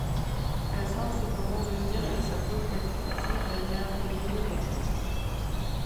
Elle sort cependant deuxième de sa poule qualificative derrière Irene Vecchi.